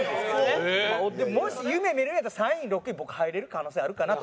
でももし夢見れるんやったら３位６位僕入れる可能性あるかなと。